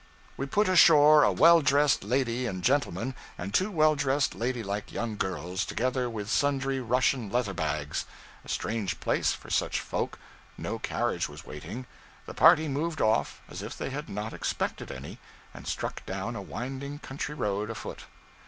We put ashore a well dressed lady and gentleman, and two well dressed, lady like young girls, together with sundry Russia leather bags. A strange place for such folk! No carriage was waiting. The party moved off as if they had not expected any, and struck down a winding country road afoot.